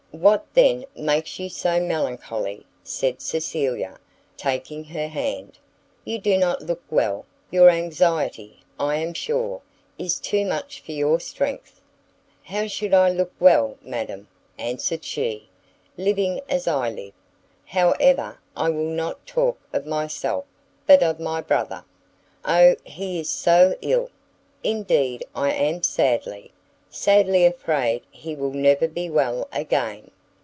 "What, then, makes you so melancholy?" said Cecilia, taking her hand; "you do not look well; your anxiety, I am sure, is too much for your strength." "How should I look well, madam," answered she, "living as I live? However, I will not talk of myself, but of my brother, O he is so ill! Indeed I am sadly, sadly afraid he will never be well again!"